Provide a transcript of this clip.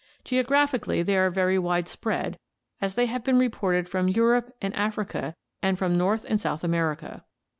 Geo graphically they are very wide spread, as they have been reported from Europe and Africa and from North and j South America.